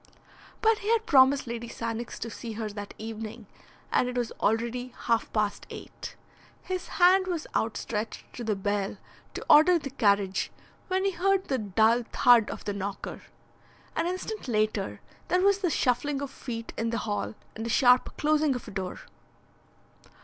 But he had promised Lady Sannox to see her that evening and it was already half past eight. His hand was outstretched to the bell to order the carriage when he heard the dull thud of the knocker. An instant later there was the shuffling of feet in the hall, and the sharp closing of a door.